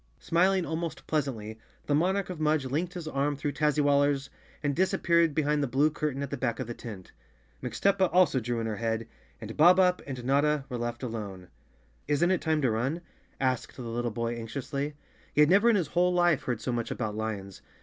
Smiling almost pleasantly, the Monarch of Mudge linked his arm through Tazzywaller's and disappeared behind the blue curtain at the back of the tent. Mix tuppa also drew in her head and Bob Up and Notta w ere left alone. 53 The Cowardly Lion of Oz _ "Isn't it time to run?" asked the little boy anxiously. He had never in his whole life heard so much about lions.